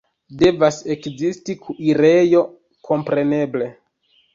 Devas ekzisti kuirejo, kompreneble.